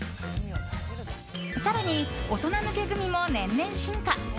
更に、大人向けグミも年々進化。